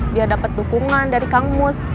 biar dapet dukungan dari kang mus